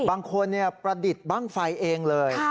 บางคนประดิษฐ์บ้างไฟเองเลย